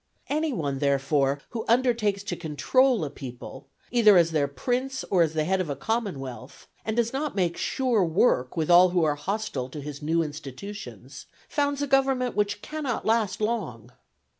Any one, therefore, who undertakes to control a people, either as their prince or as the head of a commonwealth, and does not make sure work with all who are hostile to his new institutions, founds a government which cannot last long.